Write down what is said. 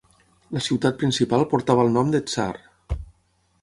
La ciutat principal portava el nom de Tsar.